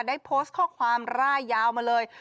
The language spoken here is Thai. ได้โพสต์ข้อความร่ายยาวมาเลย